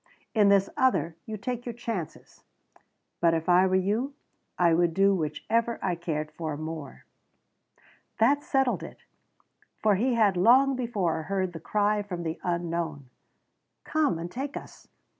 In this other, you take your chances. But if I were you, I would do whichever I cared for more." That settled it, for he had long before heard the cry from the unknown: "Come out and take us!